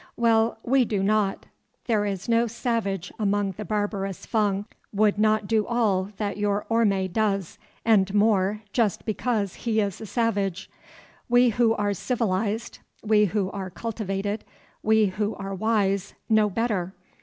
Well, we do not. There is no savage among the barbarous Fung would not do all that your Orme does, and more, just because he is a savage. We who are civilized, we who are cultivated, we who are wise, know better.